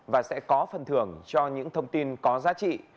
và sẽ có phần thưởng cho những thông tin có giá trị